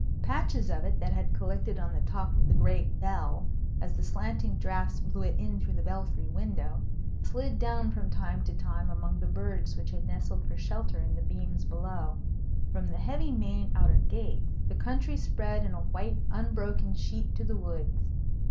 Patches of it, that had collected on the top of the great bell as the slanting draughts blew it in through the belfry window, slid down from time to time among the birds which had nestled for shelter in the beams below. From the heavy main outer gates, the country spread in a white unbroken sheet to the woods.